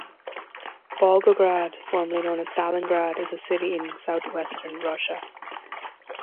Volgograd, formerly known as Stalingrad, is a city in southwestern Russia.